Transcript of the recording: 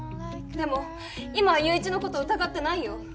でも今は友一の事疑ってないよ。